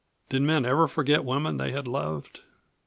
Did men ever forget women they had loved?